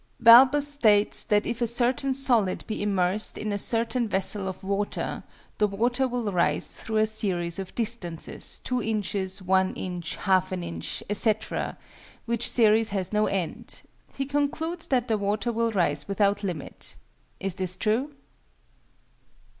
_ Balbus states that if a certain solid be immersed in a certain vessel of water, the water will rise through a series of distances, two inches, one inch, half an inch, &c., which series has no end. He concludes that the water will rise without limit. Is this true?